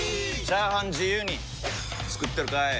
チャーハン自由に作ってるかい！？